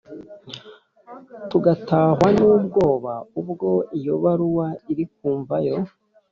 tugatahwa nubwoba ubwo iyo baruwa urikumva yo